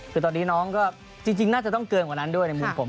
คือตอนนี้น้องก็จริงน่าจะต้องเกินกว่านั้นด้วยในมุมผม